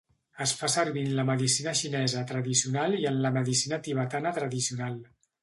Es fa servir en la medicina xinesa tradicional i en la medicina tibetana tradicional.